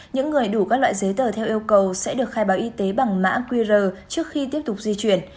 những người đủ các loại giấy tờ theo yêu cầu sẽ được khai báo y tế bằng mã qr trước khi tiếp tục di chuyển